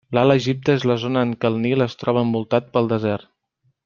L'Alt Egipte és la zona en què el Nil es troba envoltat pel desert.